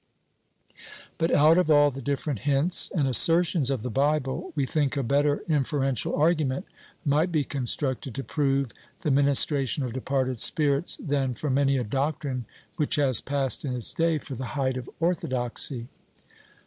But out of all the different hints and assertions of the Bible we think a better inferential argument might be constructed to prove the ministration of departed spirits than for many a doctrine which has passed in its day for the height of orthodoxy.